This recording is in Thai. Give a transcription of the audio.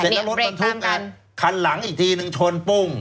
ใช่เนี่ยเบรกตามกันเสร็จแล้วรถบรรทุกคันหลังอีกทีหนึ่งชนปุ้ง